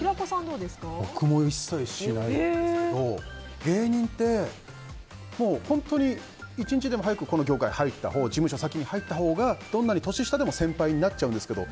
僕も一切しないですけど芸人って本当に１日でも早くこの業界、事務所に先に入ったほうが年下でも先輩になっちゃうんですけど